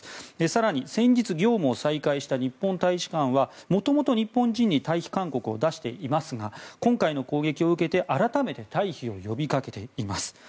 更に先日、業務を再開した日本大使館は元々、日本人に退避勧告を出していますが今回の攻撃を受けて改めて退避を呼びかけています。